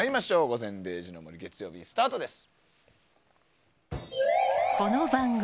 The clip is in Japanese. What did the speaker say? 「午前０時の森」月曜日スタートです。